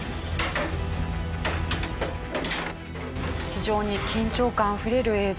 非常に緊張感あふれる映像。